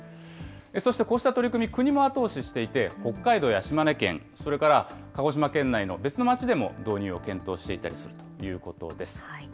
そしてこうした取り組み、国も後押ししていて、北海道や島根県、それから鹿児島県内の別の町でも導入を検討しているということです。